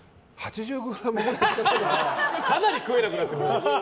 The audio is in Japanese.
かなり食えなくなってる。